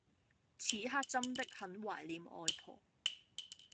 此刻真的很懷念外婆